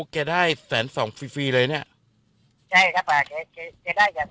แกได้แสนสองฟรีฟรีเลยเนี้ยใช่ครับค่ะ